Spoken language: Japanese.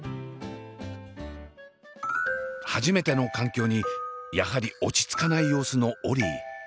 初めての環境にやはり落ち着かない様子のオリィ。